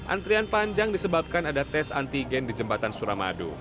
antrian panjang disebabkan ada tes antigen di jembatan suramadu